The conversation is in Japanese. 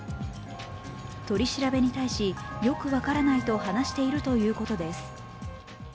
取り調べに対し、よく分からないと話しているということです。